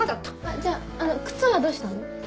じゃああの靴はどうしたの？